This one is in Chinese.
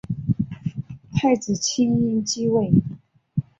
太子庆膺继位。